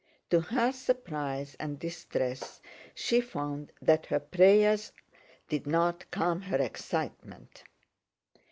To her surprise and distress she found that her prayers did not calm her excitement.